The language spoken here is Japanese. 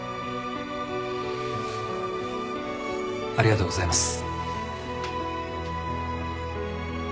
ありがとうございます。